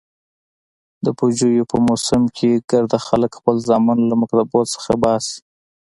د پوجيو په موسم کښې ګرده خلك خپل زامن له مكتبو څخه اوباسي.